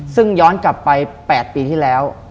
ซึ่งย้อนกลับไป๘ปีที่แล้ว